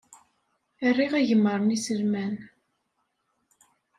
Riɣ agmar n yiselman.